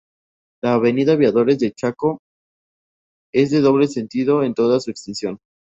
La Avenida Aviadores del Chaco es de doble sentido en toda su extensión.